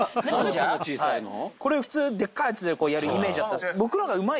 これ普通でっかいやつでやるイメージだった。